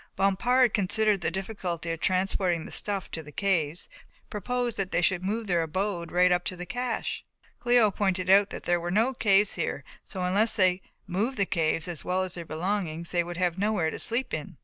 Bompard, considering the difficulty of transporting the stuff to the caves, proposed that they should move their abode right up to the cache. Cléo pointed out that there were no caves here, so, unless they moved the caves as well as their belongings, they would have nowhere to sleep in.